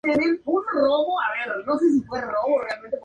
Allí se estableció como herrero.